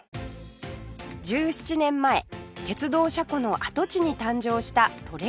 １７年前鉄道車庫の跡地に誕生したトレインチ